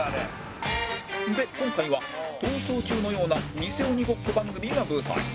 で今回は『逃走中』のようなニセ鬼ごっこ番組が舞台